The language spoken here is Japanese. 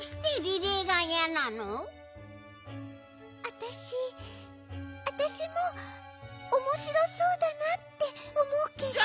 あたしあたしもおもしろそうだなっておもうけど。